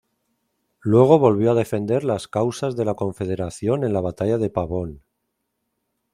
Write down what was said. Luego volvió a defender las causas de la Confederación en la batalla de Pavón.